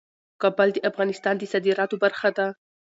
کابل د افغانستان د صادراتو برخه ده.